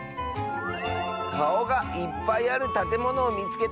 「かおがいっぱいあるたてものをみつけた！」。